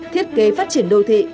thiết kế phát triển đô thị